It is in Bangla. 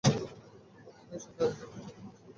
এবং তুমি এসব দাঁড়িয়ে থেকে ঘটতে দেখেছো।